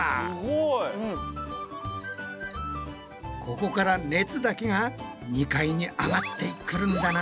ここから熱だけが２階に上がってくるんだな。